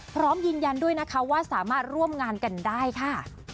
พร้อมยืนยันด้วยนะคะว่าสามารถร่วมงานกันได้ค่ะ